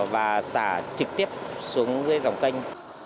và xả trực tiếp xuống dòng kênh